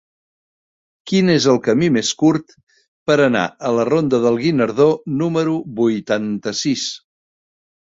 Quin és el camí més curt per anar a la ronda del Guinardó número vuitanta-sis?